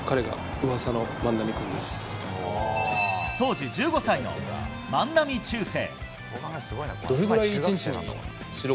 当時１５歳の万波中正。